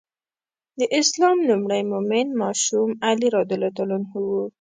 د اسلام لومړی مؤمن ماشوم علي رض و.